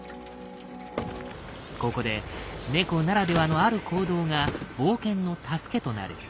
ここで猫ならではのある行動が冒険の助けとなる。